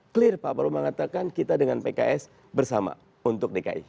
clear pak prabowo mengatakan kita dengan pks bersama untuk dki